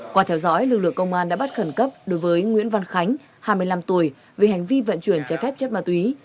qua theo dõi lực lượng công an đã bắt khẩn cấp đối với nguyễn văn khánh hai mươi năm tuổi về hành vi vận chuyển trái phép chất ma túy